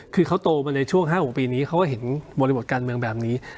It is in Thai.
คือเขาโตมาในช่วง๕๖ปีนี้เขาก็เห็นบริบทการเมืองแบบนี้